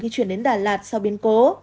khi chuyển đến đà lạt sau biến cố